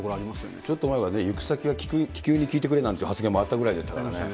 ちょっと前はね、行き先は気球に聞いてくれなんていう発言もあったぐらいですからありましたね。